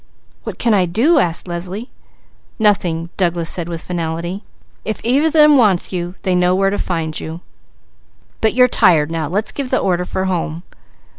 "What can I do?" asked Leslie. "Nothing!" Douglas said with finality. "If either of them wants you, they know where to find you. But you're tired now. Let's give the order for home."